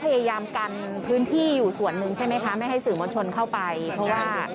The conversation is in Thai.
พยายามกันพื้นที่อยู่ส่วนหนึ่งใช่ไหมคะไม่ให้สื่อมวลชนเข้าไปเพราะว่า